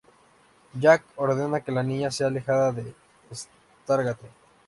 Jack ordena que la niña sea alejada del Stargate.